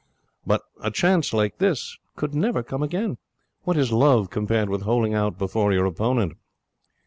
But a chance like this could never come again. What is Love compared with holing out before your opponent?